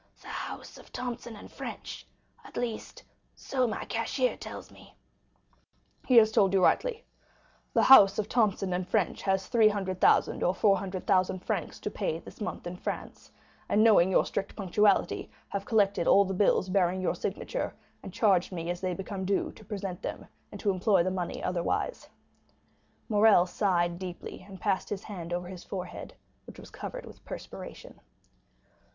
"The house of Thomson & French; at least, so my cashier tells me." "He has told you rightly. The house of Thomson & French had 300,000 or 400,000 francs to pay this month in France; and, knowing your strict punctuality, have collected all the bills bearing your signature, and charged me as they became due to present them, and to employ the money otherwise." Morrel sighed deeply, and passed his hand over his forehead, which was covered with perspiration.